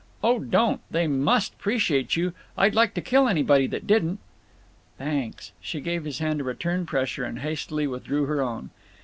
"Oh, don't! They must 'preciate you. I'd like to kill anybody that didn't!" "Thanks." She gave his hand a return pressure and hastily withdrew her own.